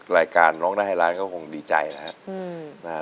รายการร้องได้ให้ร้านก็คงดีใจนะครับ